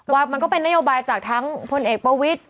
มันก็เป็นนโยบายจากทั้งพลเอกประวิทธิ